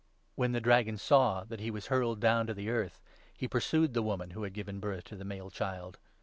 611 When the Dragon saw that he was hurled down to the 13 earth, he pursued the woman who had given birth to the male child.